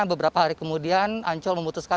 beberapa hari kemudian ancol memutuskan